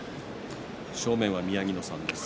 正面は宮城野さんです。